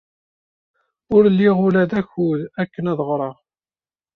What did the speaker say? Ur liɣ ula d akud akken ad ɣreɣ.